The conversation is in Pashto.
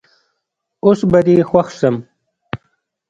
اوس به دي خوښ سم